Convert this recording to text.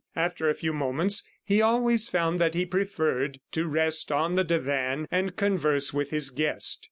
After a few moments, he always found that he preferred to rest on the divan and converse with his guest.